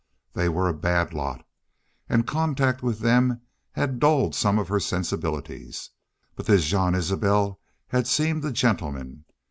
They were a bad lot. And contact with them had dulled some of her sensibilities. But this Jean Isbel had seemed a gentleman.